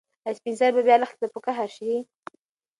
ایا سپین سرې به بیا لښتې ته په قهر شي؟